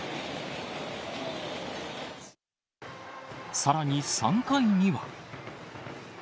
さらに３回には。